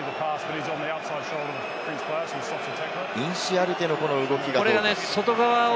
インシアルテの動きが。